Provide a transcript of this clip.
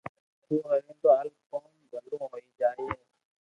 تو ڀيرو ھالي تو ڪوم ڀلو ھوئيي جائي